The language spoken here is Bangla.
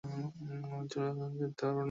তারপর আমরা একটা চুলও ছিড়তে পারব না!